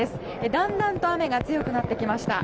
だんだんと雨が強くなってきました。